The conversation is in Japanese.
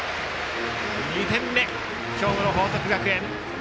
２点目、兵庫の報徳学園。